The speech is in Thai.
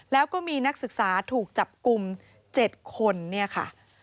แล้วก็มีนักศึกษาถูกจับกลุ่ม๗คนเนี่ยค่ะ